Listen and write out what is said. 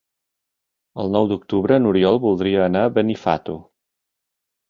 El nou d'octubre n'Oriol voldria anar a Benifato.